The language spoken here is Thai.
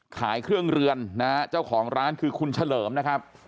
ขายเครื่องเรือนนะฮะเจ้าของร้านคือคุณเฉลิมนะครับ